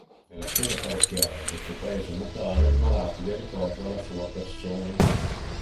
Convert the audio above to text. Nella Chiesa parrocchiale del suo paese natale, una lapide ricorda la sua persona.